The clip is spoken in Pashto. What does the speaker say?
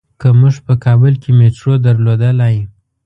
که مونږ په کابل کې مېټرو درلودلای.